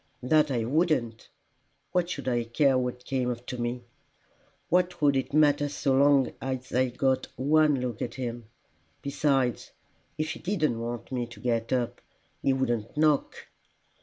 '" "That I wouldn't! What should I care what came to me? What would it matter so long as I got one look at him! Besides, if he didn't want me to get up, he wouldn't knock."